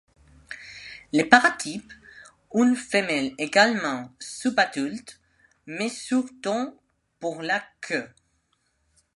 Le paratype, une femelle également subadulte, mesure dont pour la queue.